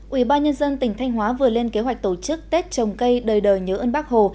ủy ban nhân dân tỉnh thanh hóa vừa lên kế hoạch tổ chức tết trồng cây đời đời nhớ ơn bác hồ